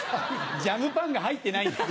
ジャムパンが入ってないんだ。